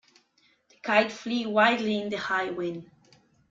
The kite flew wildly in the high wind.